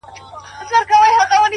چي بیا يې ونه وینم ومي نه ويني”